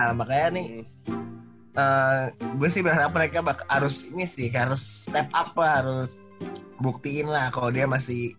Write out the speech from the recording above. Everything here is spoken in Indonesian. nah makanya nih gue sih berharap mereka harus ini sih harus step apa harus buktiin lah kalau dia masih